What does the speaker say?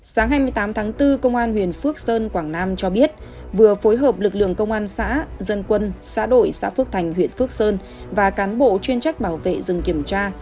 sáng hai mươi tám tháng bốn công an huyện phước sơn quảng nam cho biết vừa phối hợp lực lượng công an xã dân quân xã đội xã phước thành huyện phước sơn và cán bộ chuyên trách bảo vệ rừng kiểm tra